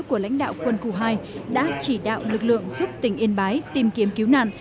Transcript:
của lãnh đạo quân khu hai đã chỉ đạo lực lượng giúp tỉnh yên bái tìm kiếm cứu nạn